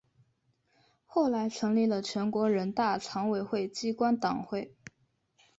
后来成立了全国人大常委会机关党委。